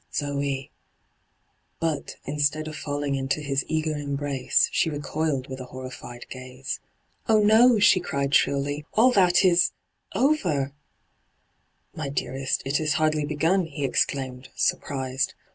' Zoe 1' But, instead of falling into his eager em brace, she recoiled with a horrified gaze. ' Oh no !' she cried shrilly. ' All that is — over r ' My dearest, it is hardly begun,' he ex claimed, Burpriaed.